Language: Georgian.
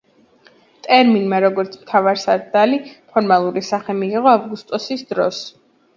ტერმინმა როგორც მთავარსარდალი ფორმალური სახე მიიღო ავგუსტუსის დროს.